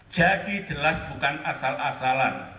jadi jelas bukan asal asalan